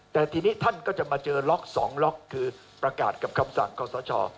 แต่ทีนี้ท่านก็จะมาเจอล็อก๒ล็อกคือประกาศกับคำสั่งขอสช